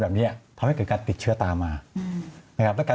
แบบนี้ทำให้เกิดการติดเชื้อตามมานะครับแล้วกัน